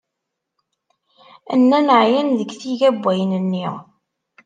Nnan ɛyan deg tiga n wayen-nni.